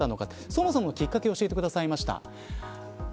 そもそも、きっかけを教えてくださいました。